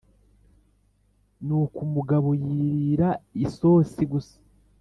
ni uko umugabo yirira isosi gusa !